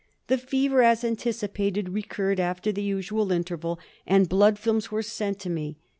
The fever, as anticipated, recurred after the usual interval, and blood films were sent to me.